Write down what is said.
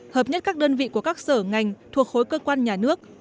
hợp nhất các đơn vị của các sở ngành thuộc khối cơ quan nhà nước